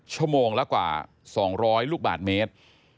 ชั่วโมงละกว่า๒๐๐ลูกบาทเมตร